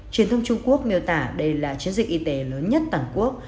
truyền thông trung quốc nêu tả đây là chiến dịch y tế lớn nhất toàn quốc